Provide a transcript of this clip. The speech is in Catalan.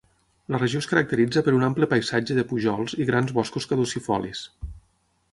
La regió es caracteritza per un ampli paisatge de pujols i grans boscos caducifolis.